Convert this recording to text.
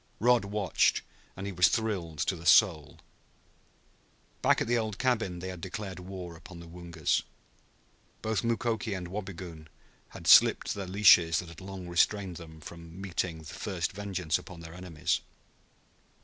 Rod watched, and he was thrilled to the soul. Back at the old cabin they had declared war upon the Woongas. Both Mukoki and Wabigoon had slipped the leashes that had long restrained them from meting first vengeance upon their enemies.